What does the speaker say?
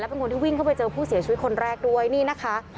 เป็นคนที่วิ่งเข้าไปเจอผู้เสียชีวิตคนแรกด้วยนี่นะคะ